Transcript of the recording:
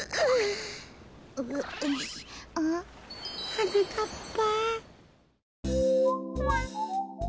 はなかっぱ。